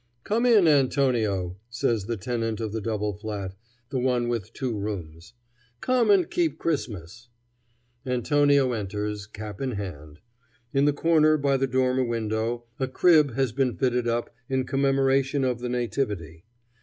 "Come in, Antonio," says the tenant of the double flat, the one with two rooms, "come and keep Christmas." Antonio enters, cap in hand. In the corner by the dormer window a "crib" has been fitted up in commemoration of the Nativity.